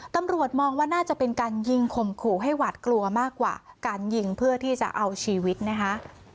ตำรวจมองว่าน่าจะเป็นการยิงข่มขู่ให้หวาดกลัวมากกว่าการยิงเพื่อที่จะเอาชีวิตนะคะ